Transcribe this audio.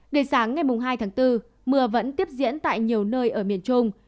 đến sáng ngày hai tháng bốn mưa vẫn tiếp diễn tại nhiều nơi ở miền trung